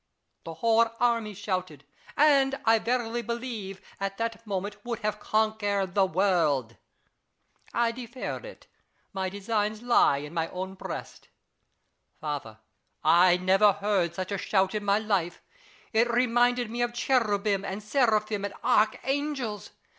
The whole army shouted, and, I verily believe, at that moment would have conquered the world. I deferred it : my designs lie in my own breast. Father, I never heard such a shout in my life : it reminded me of Cherubim and Seraphim and Archangels.